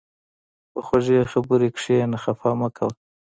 په خوږې خبرې کښېنه، خفه مه کوه.